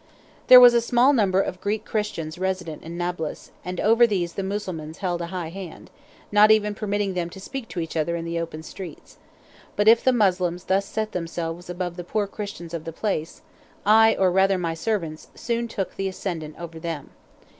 There was a small number of Greek Christians resident in Nablus, and over these the Mussulmans held a high hand, not even permitting them to speak to each other in the open streets; but if the Moslems thus set themselves above the poor Christians of the place, I, or rather my servants, soon took the ascendant over them.